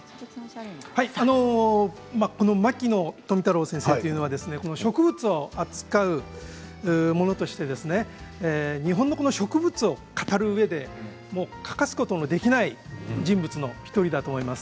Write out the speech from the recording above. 牧野富太郎先生は植物を扱う者として日本の植物を語るうえで欠かすことのできない人物の１人だと思います。